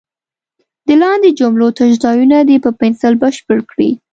د لاندې جملو تش ځایونه دې په پنسل بشپړ کړي.